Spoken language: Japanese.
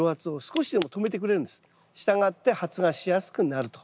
したがって発芽しやすくなると。